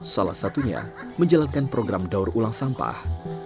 salah satunya menjalankan program daur ulang sampah